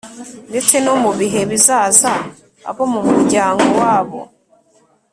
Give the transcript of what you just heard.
ndetse no mu bihe bizaza, abo mu muryango wabo